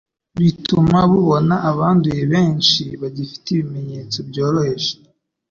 bituma bubona abanduye benshi bagifite ibimenyetso byoroheje.